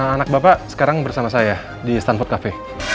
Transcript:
anak bapak sekarang bersama saya di stanford cafe